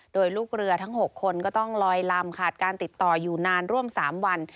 โดยลูกเรือทั้ง๖คนก็ต้องลอยลำขาดการติดต่ออยู่นานร่วม๓วัน